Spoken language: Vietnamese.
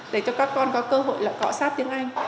để cho các con có cơ hội là cọ sát tiếng anh